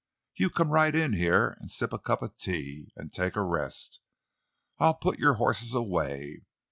You come right in here an' sip a cup of tea, an' take a rest. I'll put your horses away.